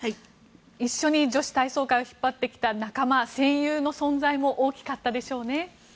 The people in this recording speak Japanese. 一緒に女子体操界を引っ張ってきた仲間戦友の存在も大きかったでしょうね。